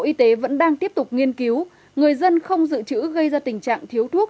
y tế vẫn đang tiếp tục nghiên cứu người dân không dự trữ gây ra tình trạng thiếu thuốc